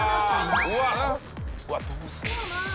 うわっどうする？